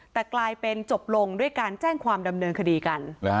แต่กลายเป็นจบลงด้วยการแจ้งความดำเนินคดีกัน